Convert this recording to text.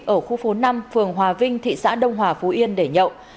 ở khu phố năm phường hòa vinh thị xã đông hòa phú yên để nhậu